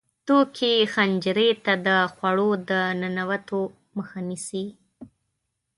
توکې حنجرې ته د خوړو د ننوتو مخه نیسي.